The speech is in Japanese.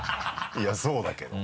いやそうだけど。